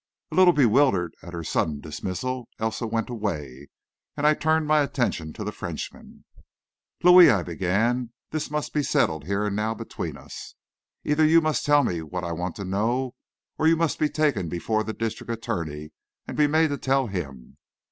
A little bewildered at her sudden dismissal, Elsa went away, and I turned my attention to the Frenchman. "Louis," I began, "this must be settled here and now between us. Either you must tell me what I want to know, or you must be taken before the district attorney, and be made to tell him.